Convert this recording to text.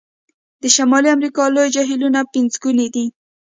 د شمالي امریکا لوی جهیلونه پنځګوني دي.